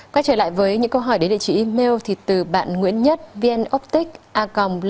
quay trở lại với những câu hỏi đến địa chỉ email thì từ bạn nguyễn nhất vnoptic com